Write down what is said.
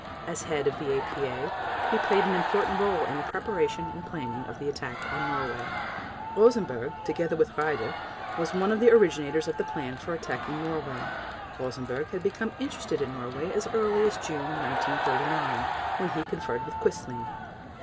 As head of the APA, he played an important role in the preparation and planning of the attack on Norway. Rosenberg, together with Raeder, was one of the originators of the plan for attacking Norway. Rosenberg had become interested in Norway as early as June 1939, when he conferred with Quisling.